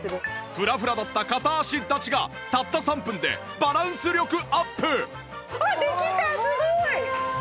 フラフラだった片足立ちがたった３分でバランス力アップ！